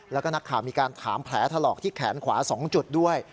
แล้วก็นักข่าวมีการถามแผลถลอกที่แขนขวา๒จุดด้วย